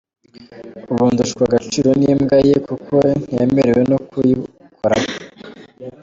Ubu ndushwa agaciro n’imbwa ye kuko ntemerewe no kuyikoraho !